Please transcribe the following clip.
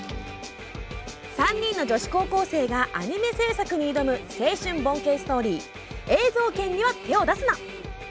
３人の女子高生がアニメ制作に挑む青春冒険ストーリー「映像研には手を出すな！」。